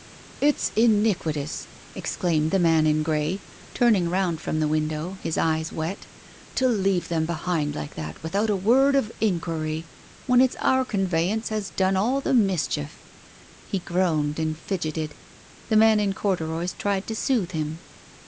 "It's iniquitous !" exclaimed the man in grey, turning round from the window — his eyes wet, "to leave them behind like that without a word of inquiry, when it's our conveyance has done all the mischief !" He groaned and fidgeted. ... The man in corduroys tried to soothe him.